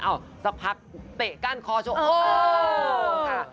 เอ้าสักพักเตะกั้นคอโชค